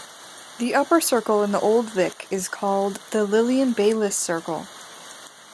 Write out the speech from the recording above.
The upper circle in the Old Vic is called the Lilian Baylis Circle.